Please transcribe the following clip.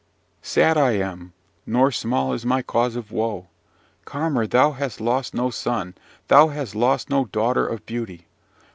"Sad I am! nor small is my cause of woe! Carmor, thou hast lost no son; thou hast lost no daughter of beauty.